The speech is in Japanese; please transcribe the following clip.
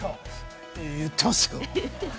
言ってますよ！